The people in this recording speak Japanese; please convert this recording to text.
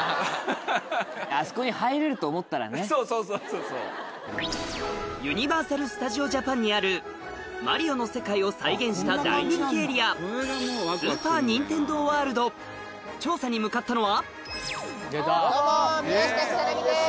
そうそうそうそうそう。にあるマリオの世界を再現した大人気エリア調査に向かったのはどうも宮下草薙です。